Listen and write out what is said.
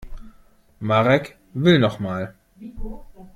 Marek will noch mal.